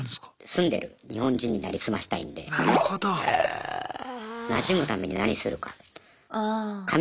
住んでる日本人に成り済ましたいんでなじむために何するか。